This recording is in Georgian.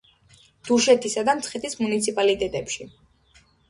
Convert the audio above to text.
დუშეთისა და მცხეთის მუნიციპალიტეტებში.